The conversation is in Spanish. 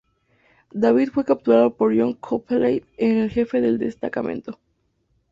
David fue capturado por John Copeland, el jefe del destacamento.